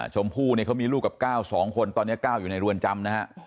ชมพู่เนี่ยเค้ามีลูกกับก้าวสองคนตอนนี้ก้าวอยู่ในรวรจำนะฮะ